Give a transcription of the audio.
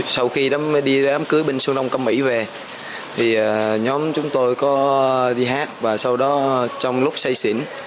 sau khi đi đám cưới bên xuân đông công mỹ về nhóm chúng tôi có đi hát và sau đó trong lúc say xỉn